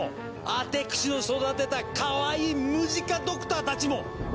アテクシの育てたかわいいムジカ・ドクターたちも！